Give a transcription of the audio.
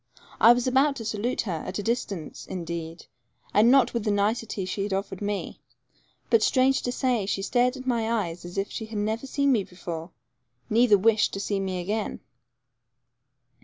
I was about to salute her, at a distance, indeed, and not with the nicety she had offered to me, but, strange to say, she stared at my eyes as if she had never seen me before, neither wished to see me again.